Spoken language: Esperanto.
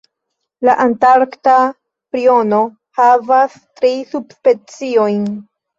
La Antarkta priono havas tri subspeciojn.